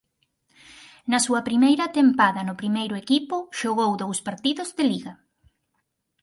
Na súa primeira tempada no primeiro equipo xogou dous partidos de liga.